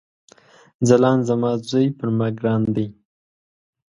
ځلاند زما ځوي پر ما ګران دی